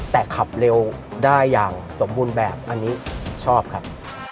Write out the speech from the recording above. แต่ขับเร็วได้อย่างสมบูรณ์แบบอันนี้ชอบครับ